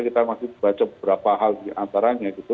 kita masih baca beberapa hal diantaranya gitu